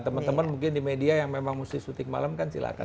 teman teman mungkin di media yang memang mesti sutik malam kan silakan